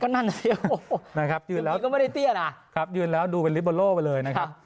ก็นั่นนะครับยืนแล้วดูเป็นลิบอลโล่ไปเลยนะครับ